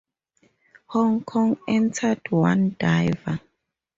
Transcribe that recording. Hong Kong entered one diver.